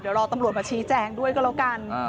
เดี๋ยวรอตำรวจมาชี้แจงด้วยก็แล้วกัน